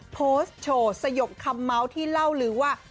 โพสต์โชว์สยบคำเมาส์ที่เล่าลือว่า